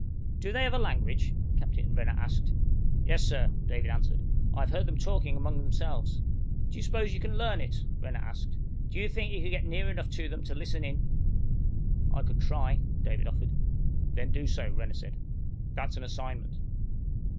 "Do they have a language?" Captain Renner asked. "Yes, sir," David answered. "I have heard them talking among themselves." "Do you suppose you can learn it?" Renner asked. "Do you think you could get near enough to them to listen in?" "I could try," David offered. "Then do so," Renner said. "That's an assignment."